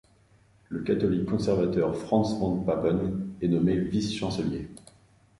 Le catholique conservateur Franz von Papen est nommé vice-chancelier.